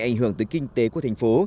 ảnh hưởng tới kinh tế của thành phố